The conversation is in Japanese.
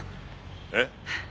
えっ？